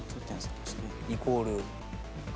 イコール。